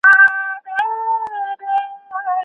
د اصول کافي کتاب د سنيانو پر ضد لیکل شوی و.